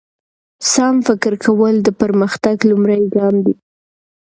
سم فکر کول د پرمختګ لومړی ګام دی.